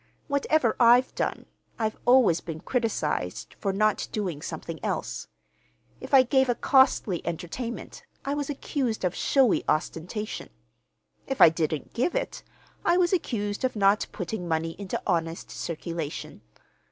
Whatever I've done, I've always been criticized for not doing something else. If I gave a costly entertainment, I was accused of showy ostentation. If I didn't give it, I was accused of not putting money into honest circulation.